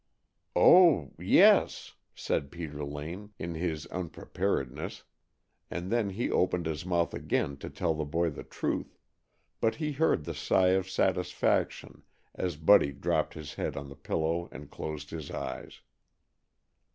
"Oh, yes!" said Peter Lane, in his unpreparedness, and then he opened his mouth again to tell the boy the truth, but he heard the sigh of satisfaction as Buddy dropped his head on the pillow and closed his eyes.